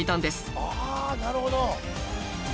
ああなるほど！